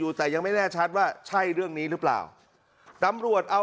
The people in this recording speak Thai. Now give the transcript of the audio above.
แต่ยังไม่แน่ชัดว่าใช่เรื่องนี้หรือเปล่าตำรวจเอา